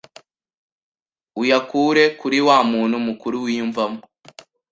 uyakure kuri wa muntu mukuru wiyumvamo